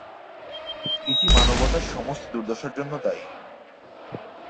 এটি মানবতার সমস্ত দুর্দশার জন্য দায়ী।